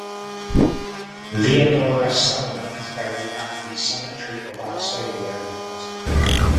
Leonora Selmer is buried at the Cemetery of Our Saviour in Oslo.